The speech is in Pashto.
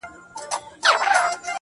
o هغه اوس اوړي غرونه غرونه پـــرېږدي.